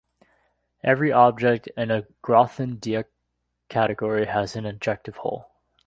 Every object in a Grothendieck category has an injective hull.